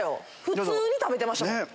普通に食べてましたもん。